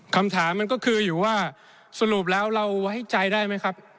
คำถามมันก็คืออยู่ว่าสรุปแล้วเราให้ใจได้ไหมครับ